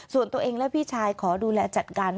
ส่วนตัวเองและพี่ชายขอดูแลจัดการ